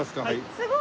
すごい！